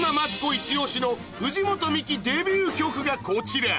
一押しの藤本美貴デビュー曲がこちら